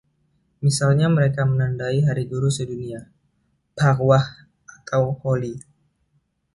Misalnya mereka menandai Hari Guru Sedunia, Phagwah, atau Holi.